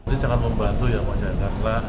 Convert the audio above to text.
ini sangat membantu ya masyarakat